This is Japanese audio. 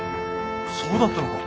そうだったのか。